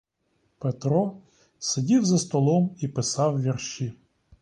Петро сидів за столом і писав вірші.